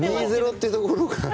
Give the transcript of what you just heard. ２−０ってところかな。